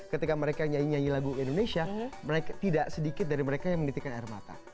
ketika mereka nyanyi nyanyi lagu indonesia tidak sedikit dari mereka yang menitikan air mata